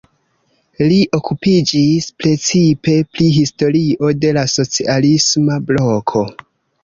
Li okupiĝis precipe pri historio de la socialisma bloko.